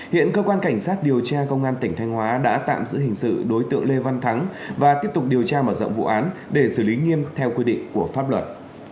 hiện cơ quan cảnh sát điều tra công an tỉnh thanh hóa đã tạm giữ hình sự đối tượng lê văn thắng và tiếp tục điều tra mở rộng vụ án để xử lý nghiêm theo quy định của pháp luật